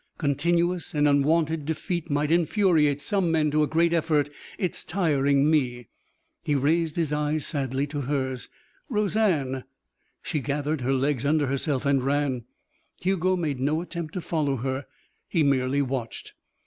Continuous and unwonted defeat might infuriate some men to a great effort. It's tiring me." He raised his eyes sadly to hers. "Roseanne !" She gathered her legs under herself and ran. Hugo made no attempt to follow her. He merely watched.